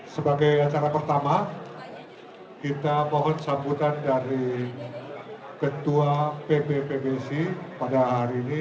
sebagai acara pertama kita mohon sambutan dari ketua pb pbsi pada hari ini